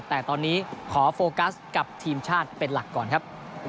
แต่ตอนนี้ขอโฟกัสกับทีมชาติเป็นหลักก่อนครับ